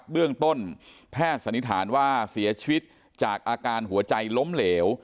เบื้องต้นแพทย์สันนิษฐานว่าเสียชีวิตจากอาการหัวใจล้มเหลว